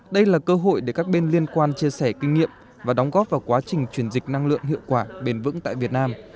đây là cơ hội để các bên liên quan chia sẻ kinh nghiệm và đóng góp vào quá trình chuyển dịch năng lượng hiệu quả bền vững tại việt nam